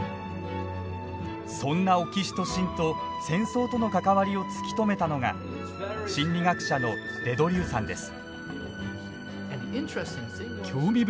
そんなオキシトシンと戦争との関わりを突き止めたのが心理学者のデ・ドリューさんです。